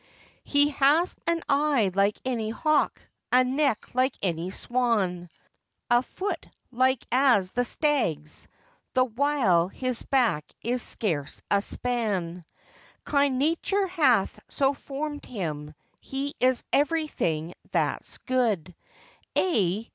He has an eye like any hawk, a neck like any swan, A foot light as the stag's, the while his back is scarce a span; Kind Nature hath so formed him, he is everything that's good,— Aye!